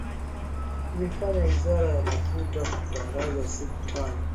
imefanya wizara ya mafuta kutangaza siku tano